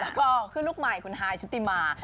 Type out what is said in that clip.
แล้วก็ขึ้นลูกใหม่คุณฮายชุติมา